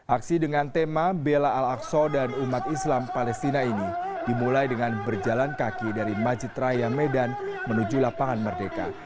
aksi dengan tema bela al aqsa dan umat islam palestina ini dimulai dengan berjalan kaki dari majid raya medan menuju lapangan merdeka